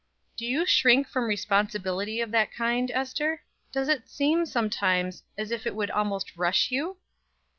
Do you shrink from responsibility of that kind, Ester? Does it seem, sometimes, as if it would almost rush you?"